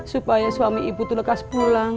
supaya suami ibu itu lekas pulang